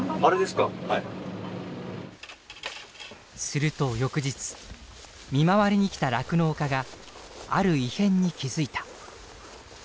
すると翌日見回りに来た酪農家がある異変に気付いた。